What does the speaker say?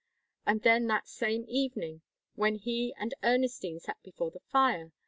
And then that same evening when he and Ernestine sat before the fire!